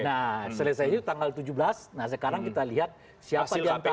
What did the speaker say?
nah selesainya itu tanggal tujuh belas nah sekarang kita lihat siapa yang parah